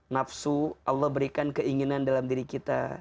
nafsu allah berikan keinginan dalam diri kita